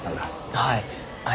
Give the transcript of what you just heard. はい。